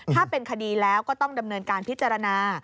ถ้าเป็นคดีแล้วก็ต้องดำเนินการพิจารณา